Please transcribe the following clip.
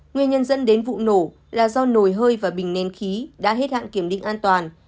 nguyên nhân dẫn đến vụ nổ là do nồi hơi và bình nén khí đã hết hạn kiểm định an toàn